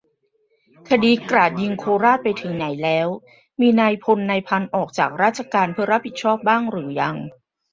คดี"กราดยิงโคราช"ไปถึงไหนแล้ว ? มีนายพลนายพันออกจากราชการเพื่อรับผิดชอบบ้างหรือยัง ?